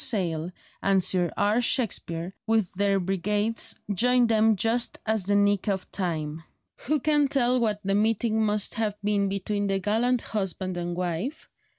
Sale and Sir R. Shakespear with their brigades joined them just at the nick of time. Who can tell what the meeting must have been between the gallant husband and wife?